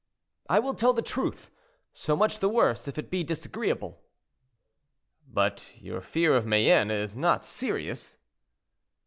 "I will tell the truth; so much the worse if it be disagreeable." "But your fear of Mayenne is not serious?"